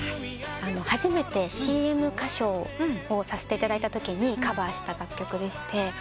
初めてＣＭ歌唱をさせていただいたときにカバーした楽曲でして。